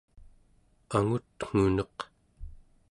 angutnguneq